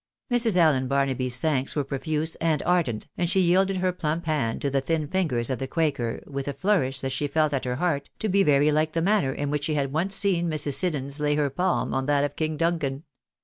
Mrs. Allen Barnaby's thanks were profuse and ardent, and she yielded her plump hand to the thin fingers of the quaker with a flourish that she felt at her heart to be very like the manner in which she had once seen Mrs. Siddons lay her palm on that of King Duncan.